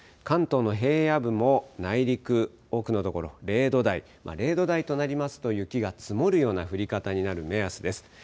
関東の平野部も内陸、多くの所、０度台、０度台となりますと雪が積もるような降り方になる目安です。